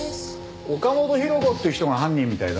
岡本博子っていう人が犯人みたいだね。